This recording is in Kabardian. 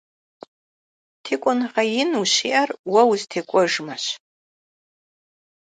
ТекӀуэныгъэ ин ущиӀэр уэ узытекӀуэжмэщ.